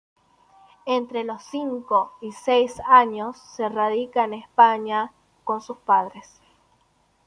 Entre los cinco y seis años se radica en España con sus padres.